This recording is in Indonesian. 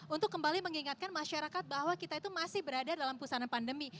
untuk kembali mengingatkan masyarakat bahwa kita itu masih berada dalam pusana pandemi